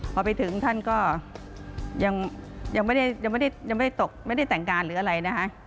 พอไปถึงท่านก็ยังไม่ได้ยังไม่ได้ตกไม่ได้แต่งงานหรืออะไรนะคะ